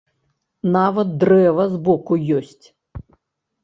Нават дрэва збоку ёсць.